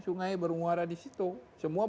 sungai bermuara di situ semua